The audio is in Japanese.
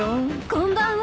・こんばんは。